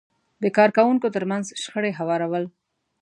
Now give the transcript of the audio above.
د کار کوونکو ترمنځ شخړې هوارول،